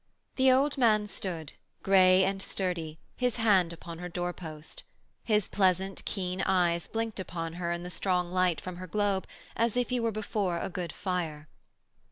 The old man stood, grey and sturdy, his hand upon her doorpost. His pleasant keen eyes blinked upon her in the strong light from her globe as if he were before a good fire.